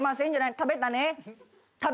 食べたね。